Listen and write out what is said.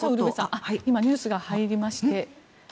今ニュースが入りまして。